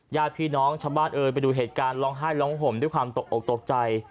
ญาติพี่น้องชาวบ้านเอ่ยไปดูเหตุการณ์ร้องไห้ร้องห่มด้วยความตกออกตกใจ